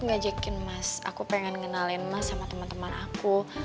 ngajakin mas aku pengen ngenalin mas sama teman teman aku